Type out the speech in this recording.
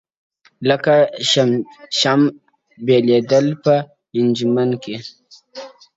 لکه شمع بلېده په انجمن کي-